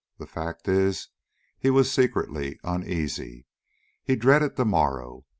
The fact is, he was secretly uneasy. He dreaded the morrow.